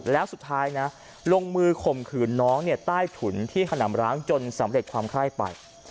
แล้วสุดท้ายนะลงมือข่มขืนน้องใต้ถุนที่ขนำร้างจนสำเร็จความไคร้ไป